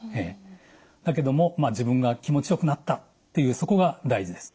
だけども自分が気持ちよくなったっていうそこが大事です。